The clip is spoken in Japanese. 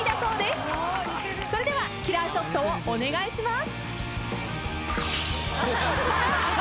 それではキラーショットをお願いします。